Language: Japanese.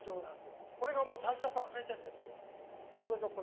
これがもう最初からついてんですよ。